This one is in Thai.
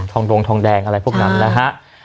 ทองดงทองแดงอะไรพวกนั้นนะฮะ